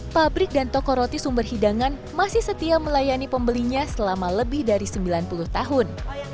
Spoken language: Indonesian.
pabrik dan toko roti sumber hidangan masih setia melayani pembelinya selama lebih dari sembilan puluh tahun